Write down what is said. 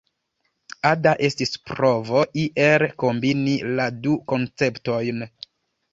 Ada estis provo iel kombini la du konceptojn.